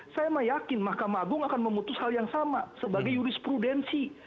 saya meyakin mahkamah agung akan memutus hal yang sama sebagai jurisprudensi